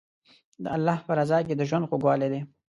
د الله په رضا کې د ژوند خوږوالی دی.